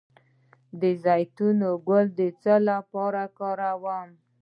د زیتون ګل د څه لپاره وکاروم؟